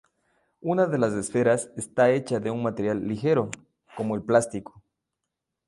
Una de las esferas esta hecha de un material ligero, como el plástico.